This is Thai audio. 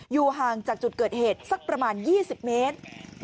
อยู่ห่างจากจุดเกิดเหตุสักประมาณ๒๐เมตร